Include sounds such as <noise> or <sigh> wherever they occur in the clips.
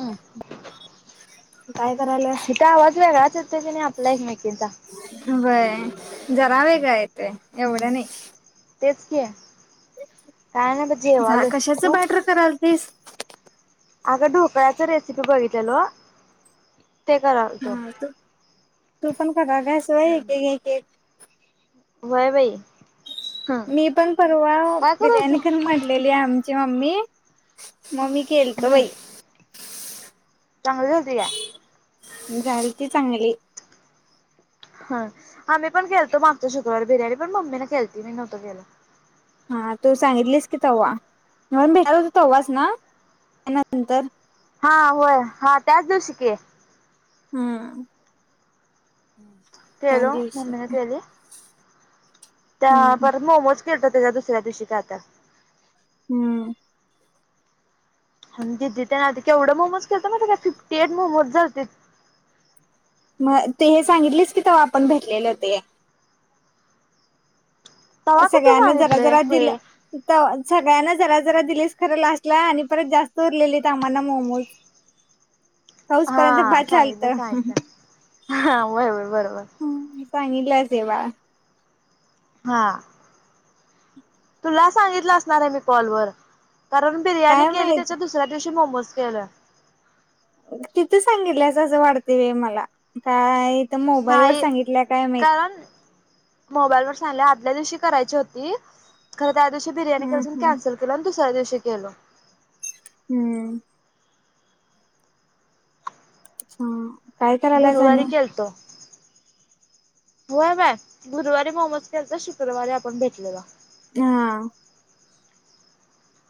ह तू काय करायल्यास? इथ आवाज वेगळाच येत कने आपला एकमेकीचा जरा वेगळया एवढा नाय तेचकी कशाच तू बॅटर करायलेतीस अगं ढोकळ्याच रेसिपी बघितलेलो ते करालतो हा तू तू पण एक एक एक एक वय बाई हं मी पण परवा काय करायचं बिर्याणी करून मांडलेली आमची मम्मी केलतो हम्म बाई चांगली झालती काय झालती चांगली हा आम्ही पण केलतो मागच्या शुक्रवार बिर्याणी पण मम्मी ना केलती मी नव्हतं केलो हा तू सांगितलीस की त्हा म्हणून भेटला होत त्हाच ना त्या नंतर हा होय हा त्याच दिवशी की हम <inaudible> केलंलती मम्मीने केली त्या हम्म वर मोमोज त्या दुसऱ्या दिवशी <unintelligible> हम्म तथ ना केवढं मोमोज केलंतं माहितय काय फिफ्टी एट मोमोज झालं ते मग ते हे सांगितलेच की तेव्हा आपण भेटलेले होते तवा कुठे सगळ्यांना जरा सांगितलंय जरा खुळे दिलं सगळ्यांना जरा जरा दिलीस खरंल असला आणि परत जास्त उरलेलेत आम्हाला मोमोज हा पाऊसपर्यंत भात झालत सांगितलं सांगित हा बरोबर बरोबर <unintelligible> हा तुला सांगितलं असणार आहे मी कॉलवर कारण बिर्याणी काय केली माहित त्याच्या दुसऱ्या दिवशी मोमोज <unintelligible> तिथं सांगितलंस असं वाढते वय मला इथं मोबाईल वर नाही सांगितल्या काय माहित कारण मोबाईल वर सांगितले ल्या दिवशी करायची होती खर दशी हम्म बिर्याणीून कन्स केला च दिवशी केलो हम्म हा काय करायला गुरुवारी जाण्या केलतो होय बाय गुरुवारी मोमज केल तर शुक्रवारी आपण भेटलेला हा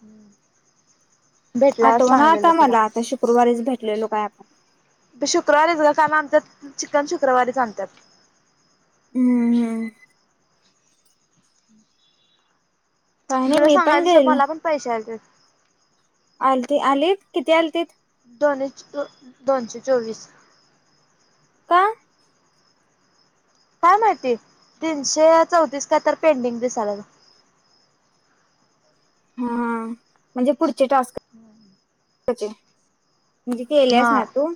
हम्म आठवा ना आता मला आता शुक्रवारीच भेटलेलो काय आपण काल आणतात चिकन शुक्रवारीच आणतात हम्म हम्म. काय नाही जर मी पण सांगायचसं गेलो मला पण पैशे आलेत आलती आली किती आलती? दोन दोनशे चोवीस काय? काय माहिती तीनशे चौतीस काहि तरी पेंडिंग दिसायाले हा हा म्हणजे पुढचे टास्क म्हणजे के केलेस हा ना तू?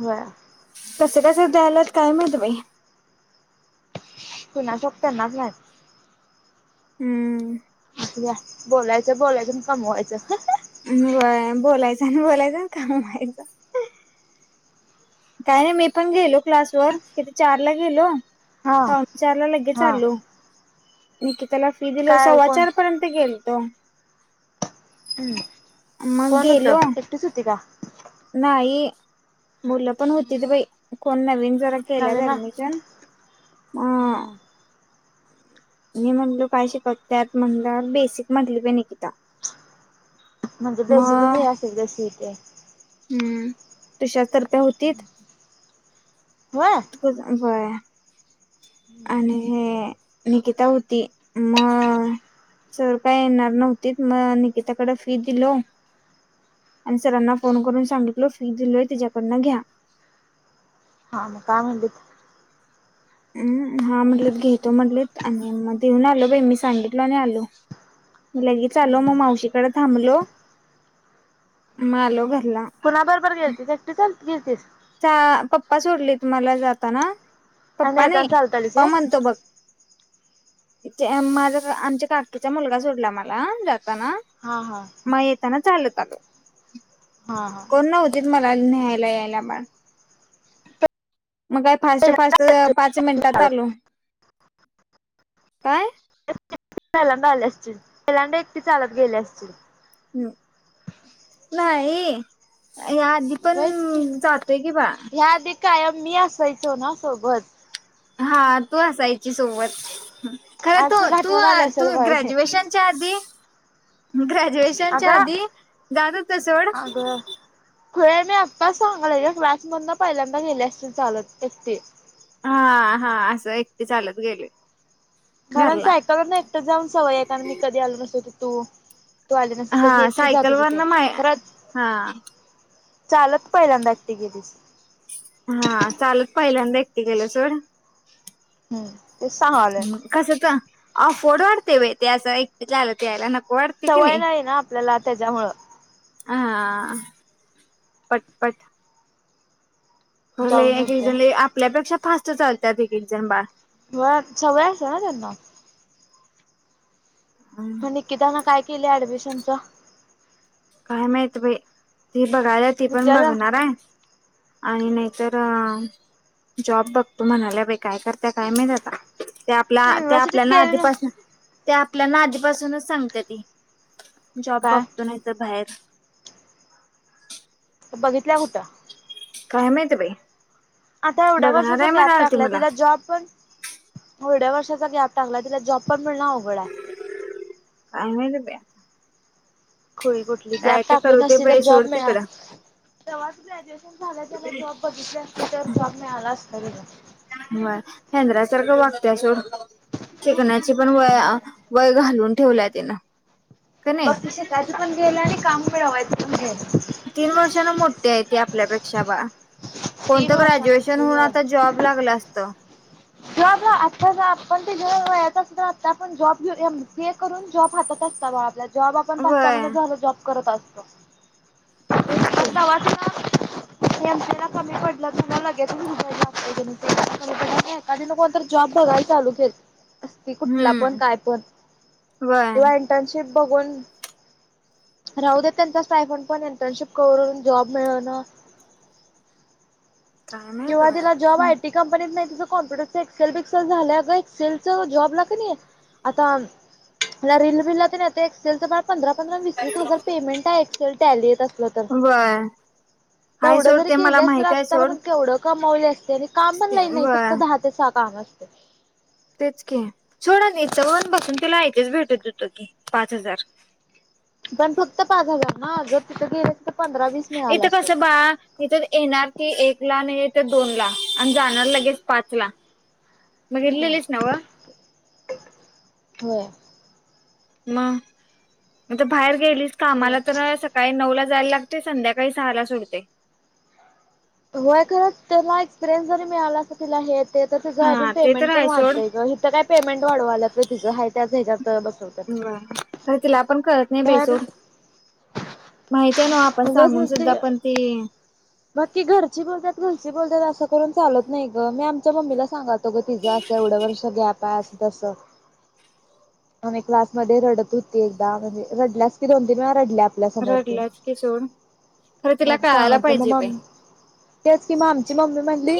बर. कसे कसे द्यालात काय माहित बाई पुणाचकत ना फ <unintelligible> हम्म. या बोलायचं बोलायचं म कमवायचं होय बोलायचं आणि बोलायचं कमवायचं काय नाही मी पण गेलो क्लासवर, किती चार ला गेलो. हा पम <unintelligible> चारला लगेच हा आलो म <unintelligible> त्याला फी दिल काय कोण सवाचारपर्यंत गेल. मतम हम्म <unintelligible> मग कोण गेलो होतं एकटीच होती का नाही बोला. पण होतेत बाई कोण नवीन जरा केल्यातं नवीन ऍडमिशन अ मी म्हटलो काय शिकत त्यात? म्हणलं बेसिक म्हटले बाई निकिता म्हणजे बेस पण मग हे असेल जशी इथे <unintelligible> हम्म तशातप्या होतीत होय <unintelligible> तक बर <unintelligible> आणि <unintelligible> निकिता होती, मग सर काय येणार नव्हती, मग निकिताकडे फी दिलो आणि सरांना फोन करून सांगितल फी दिलोय तिच्याकडन घ्या. हा मग काय म्हनली? हम्म हा म्हटलत घेतो म्हटलत आणि मग येऊन आलो बाई मी सांगितलो आणि आलो लगेच आलो मग मावशीकडे थांबलो मग आलो घरी. कुणा बरोबर गेलती एकटीच गेलतीस? चा पप्पा सोडलेत मला जाताना आणि पप्पा नाही येताना चालतालीस व्हय पण म्हणतो बघ माझा आमच्या काकीचा मुलगा सोडला मला हा हा मग येताना चालत तक हा <unintelligible> हा कोण न्हवतीत मला न्यायला यायला पण. मग काय फास्ट फास्त पाच मिनिटात आलो. काय? फलाड आले असतील पलांडा एक ते चालत गेले असतील. हम् नाही या आधी पण व्हयच की जातोय की बा ह्या आधी कायम मी असायचो ना सोबत. हा तू असायची सोबत. खरं तू आज तुला तू आठवण आली तू असेल माझी ग्रॅज्युएशनच्या आधी गा ुएशनच्या अगं आधी जात होतो सोड. अगं खुळे मी आताच सांगलाय क्लासमधून पहिल्यांदा गेले असते चालत एक ते.. हा हा असं एकट चालत गेले. घरला घरांचयकाला एकटं जाऊन सवय आहे कार मी कध आल नसतो त. दो हा सायकल वर न माय हा चालत पहिल्यांदा एकटी गेलीस. हा चालत पहिल्यांद क केेलं सर. हम्म ते सांगले. अफोड वाढते व ते असंलं ते यायला नक्की सवय नाही ना आपल्याला त्याच्यामुळ. हा पट पट. जाऊन येते एक आपल्यापेक्षा फास्ट चालत पिक एक्झम बार. होय सवय असत ना त्यांना. निकिताने काय केले ऍडमिशन. ते च काय माहित बाई ती बघायला ती पण विचारलं बघणार आहे. आणि नाहीतर जॉब बघतो म्हणाल्या बाई काय करत काय माहित आता. त्या आपल्या त्या आपल्या युनिव्हर्सिटीत ना गेली आधीपासून त्या आपल्याना आधीपासूनच सांगते ती. जॉब काय बघतो नाही तर. <unintelligible> बघितल्या कुठ काय माहित बाई आता एवढ्या बघणार वर्षाचा आहे गॅप म्हणालती टाकलाय, मला तिला जॉब पण एवढ्या वर्षाचा गॅप टाकलाय तिला जॉब पण मिळणं अवघड हाय <unintelligible> खुळी कुठली काय गॅप तर टाकली करू दे नसती तर बाई जॉब सोड मिळा तिकडं झाल्या झाल्या जॉब बघितली असती तर जॉब मिळाला असता क नाय हेंद्रया सारखं वागत्या सोड शिकण्या च पण वय अ वय घालवून ठेवल्यात ते ना बघ की शिकायचं पण गेलं आणि काम मिळवाय <unintelligible> तीन वर्षां न मोठी हाय ती आपल्या पेक शबा कोण तीन तर वर्षानं ग्रॅज्युएशन होऊन होय आता जॉब लागलं असतं. वयात असत तर, आत्ता आपण जॉब घेऊन एमसीए करून जॉब हातात असता बाळ आपल्या. जॉब आपण पाच सहा वय महिने झालं जॉब करत असतो तेच की तवा तिनं एमसीए ला कमी पडला तुला लगेच म्हंटलं <unintelligible> एखादी न कोण तरी जॉब बघायला चालू केल असती कुठला पण हम्म काय पण वय किंवा इंटनशिप बघून राहू दे त्यांचच <unintelligible> पण इंटर्नशिप करून जॉब मिळवण काय माहित किंवा तिला जॉब आयटी कंपनीत नाही ति कॉम्प्युटर च एक्सेल बिक्सेल झालय गं एक्सेल च जॉब ला क नाय आता रिल बिलला तेन येतय एक्सेलच ब पंधरा-पंधरा वीस-वीस हजार पेमेंट हाय. तीला टॅली येत अस व्हय हाय सोड ते मला माहिताय सोड. वढं कमावल्यास त्यानी काम पण नाही नाही फक्त वय दहा ते सहा काम असत <unintelligible> तेच क छोडा नाही चण बसून तिला ऐकच भेटत होत की पाच हजार पण फक्त पा झाला ह ज्योत इथं कस बा इथं येणार की एक ला आणि तर दोन ला आणि जाणार लगेच पाच ला मग एल् लस नावा होय म म बाहेर गे कामाला तर सकाळी नऊ ला ला लाग संध्याकाळी सहाला सडते होय खरं त्याला एक्सपिरियन्स जरी मिळाला अस तिला हे ते आतािचं अजून हा ते तर पेमेंट पण आहे सोड वाढतय का इथं काय पेमेंट वाढवाय ला त हाातात ह खरं तला आपण ख नाही बेसड मग नसते बाकी घरची बोलतात म्हरची बोल असं करून चालत नाही ग मी आमच्या मम्मीला सांगा तग तिं असं एवढं वर्ष गॅप तस आणि क्लास म रडत होती एकदा म्हणजे रडल्यासी दोन तीन रडल्या आपल्या समोर ती रडलाच क खर तिला मग कळायला सांगितलं मग पाहिजे मम तेच किंम मम्मी म्हणली,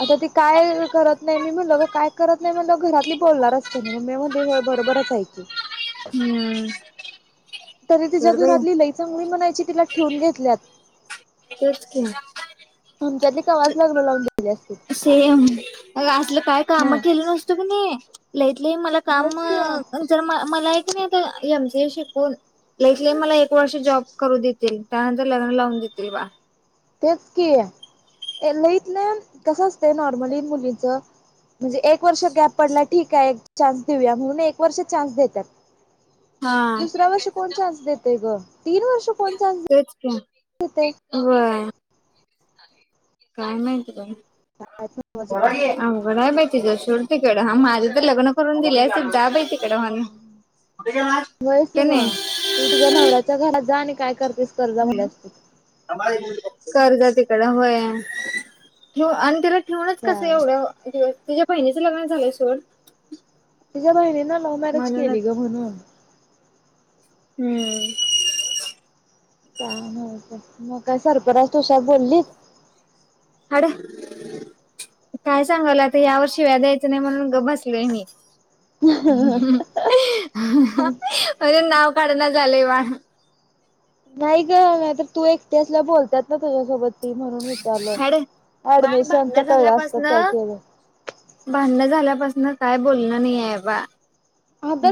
आता ती काय करत नाही. मी म्हणलं काय करत नाही म्हणलं घरातली बोलणारच कणी मम्मी म्हणली होय बरोबरच आहे की. हम्म तरी तिच्या सोड बाई घरातली लय चांगली म्हणायची. ठेवून घेतल्यात. तेच की आमच्यातली नाही. कवाच लग्न लावून दिली असतील सेम अ असलं काय? काम हा केलं नसतो कणी लई. मला काम होच की ज मला एक ी आता एमसीए शिकून लईत लईत मला एक वर्ष जॉब करू देतील, त्यानंतर लग्न लावून देतील. रे वा तेच की लईतलंई कसं असतंय नॉर्मली मुलींचं म्हणजे एक वर्ष गॅप पडलाय. ठीक आहे. चान्स देऊया म्हणून एक वर्ष चान्स देतात. हा दुसऱ्या वर्ष कोण चान्स देतय ग. तीन वर्ष कोण चान्स तेच की देतय. व्हयं. काय माहती काय? अवघड आहे बाई तिचं सोड. तिकडं हा माझी तर लग्न करून दिले सुद्धा बै होय कि का नाही मग तू तुझ्या नवऱ्याच्या घरात जा आणि काय कर जा म्हणल्यास तू. करजा ते. होय त अ तेला ठिवनच कसं हा एवढं दिवस तुझ्या बहिणीचं लग्न झालंय सोड. तिच्या्या बहिणी ना लव्ह मॅरेज केली म्हणूनच ग म्हणून. हम्म. काय नत मग काय सर्पराज तुषा बोललीत? हाड काय सांगालोय आता या वर शिव्या द्यायच नाही म्हणून गप्प बसलोय मी. अं अंहं अरे नाव काढणं झालंय वाळ. नाही ग नाही तर तू एकटे असल्या बोलतात ना तुझ्यासोबत. म्हणून विचारल हाड बाळ भांडण ऍडमिशनच कळलं असत झाल्यापासन काय केलं. पासन काय बोलण नाही आहे बा.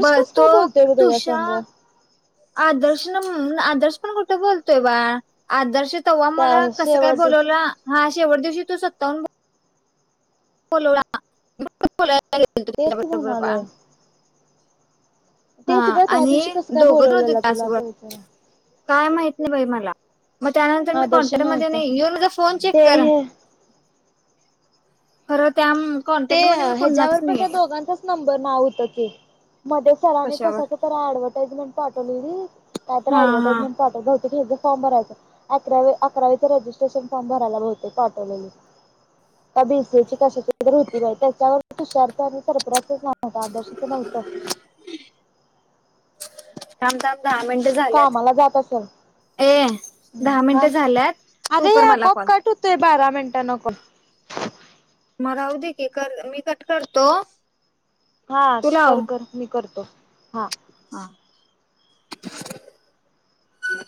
ब कस तो काय बोलतोय ग तुझ्या तुषा संग आदर्श आदर्श पण कुठे बोलतोय बाळ आदर्श तवा त्या मला कस काय शेवट बोलावला हा. शेवट दिवशी तू स्वतःहून बो बोलवला तेच पर पा <unintelligible> ते ग त्या दिवशी कसं काय दोघं होते बोलावलेलं तुला तासभर असं विचार काय माहित नाही बाई मला मग त्यानंतर मी आदर्श कॉन्टॅक्ट मध्ये नव्हता नाही येऊन माझ फोन चेक ते करा. हे खरं त्या म ते ह्याच्यावर पण त्या दोघांचाच नंबर नाव होत की मध्ये सराने कस कशावर क ऍडव्हटाइजमेंट पाठवलेली का तर हा हा अडव्हटाइजमेंट पाठवत हो हीझ फॉर्म भरायचा आहे अकरावी अकरावीचा रजिस्ट्रेशन फॉर्म भरायला बहुतेक पाठवलेलीत होती बाई त्याच्यावर तुषारच आणि सर्फराज चच नात आदर्शच नव्हतं थांब थांब दहा मिनिटं झाल्यात कामाला जात ए असेल दहा हा मिनिटं झाल्यात तू अगे ये कर मला आपोआप कॉल कट होतोय बारा मिनट ट नको मग राहू दे की मी कट करतो हा कर कर मी करतो हा. हा ह